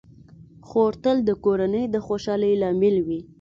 خور تل د کورنۍ د خوشحالۍ لامل وي.